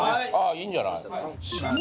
いいんじゃない？